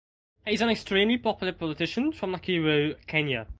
He is an extremely popular politician from Nakuru Kenya.